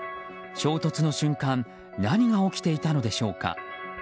衝突の瞬間何が起きていたのでしょうか。